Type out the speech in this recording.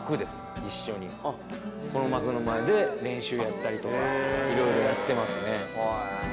この幕の前で練習やったりとかいろいろやってますね。